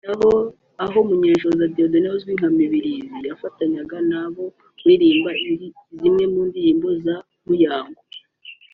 aha Munyenshoza Dieudonne uzwi nka Mibilizi yafatanyaga nabo kuririmba zimwe mu ndirimbo zeMuyango